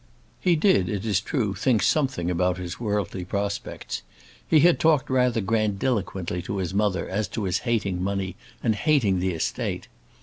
He did, it is true, think something about his worldly prospects. He had talked rather grandiloquently to his mother as to his hating money, and hating the estate.